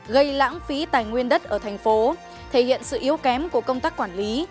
gây lãng phí tài nguyên đất ở tp hcm thể hiện sự yếu kém của công tác quản lý